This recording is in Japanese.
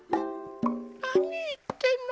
なにいってんの？